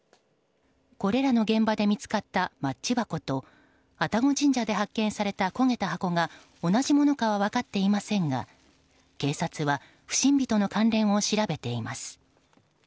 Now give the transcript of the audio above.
これらの現場で見つかったマッチ箱と愛宕神社で発見された焦げた箱が同じものかは分かっていませんが警察は、不審火との関連を調べています。